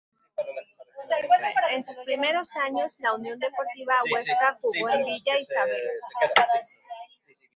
En sus primeros años, la Unión Deportiva Huesca jugó en Villa Isabel.